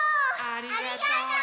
ありがとう！